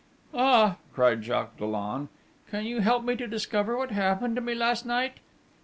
'Ah!' cried Jacques Dollon. 'Can you help me to discover what happened to me last night?'